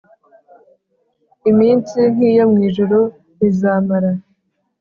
iminsi nk iyo ijuru rizamara